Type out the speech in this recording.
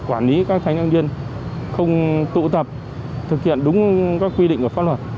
quản lý các thành thiếu niên không tụ tập thực hiện đúng các quy định của pháp luật